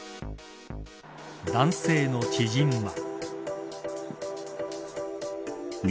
男性の知人は。